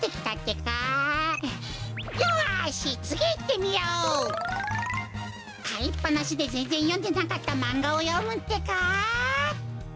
かいっぱなしでぜんぜんよんでなかったマンガをよむってか。